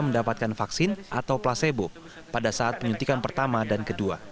mendapatkan vaksin atau placebo pada saat penyuntikan pertama dan kedua